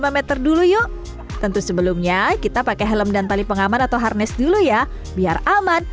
lima meter dulu yuk tentu sebelumnya kita pakai helm dan tali pengaman atau harness dulu ya biar aman